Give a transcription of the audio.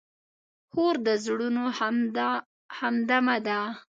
خور د زړونو همدمه ده.